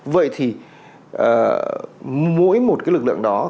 vậy thì mỗi một cái lực lượng đó